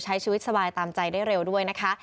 ใช้ชีวิตสบายตามใจได้เร็วด้วยนะคะ